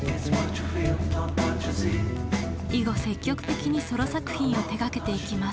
以後積極的にソロ作品を手がけていきます。